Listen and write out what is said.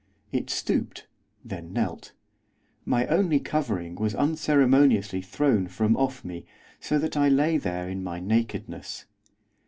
It stooped, then knelt. My only covering was unceremoniously thrown from off me, so that I lay there in my nakedness.